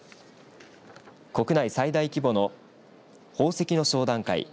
国内最大規模の宝石の商談会